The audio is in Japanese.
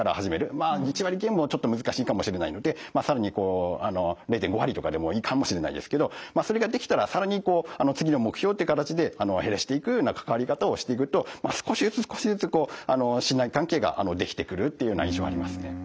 まあ１割減もちょっと難しいかもしれないので更に０．５割とかでもいいかもしれないですけどそれができたら更にこう次の目標っていう形で減らしていくような関わり方をしていくと少しずつ少しずつ信頼関係ができてくるっていうような印象ありますね。